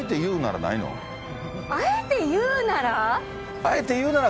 あえて言うなら？